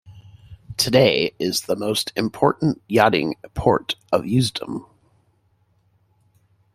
Today it is the most important yachting port of Usedom.